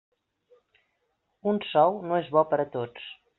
Un sou no és bo per a tots.